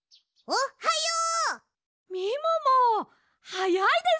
おはよう。